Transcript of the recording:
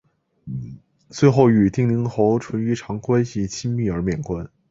最后与定陵侯淳于长关系亲密而免官。